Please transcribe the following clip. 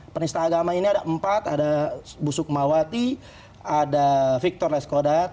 penista agama ini ada empat ada bu sukmawati ada victor leskodat